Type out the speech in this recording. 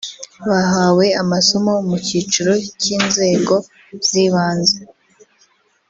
bahawe amasomo mu cyiciro cy’inzego z’ibanze